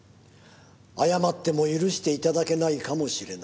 「謝っても許して頂けないかもしれない」